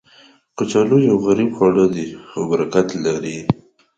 کچالو یو غریب خواړه دی، خو برکت لري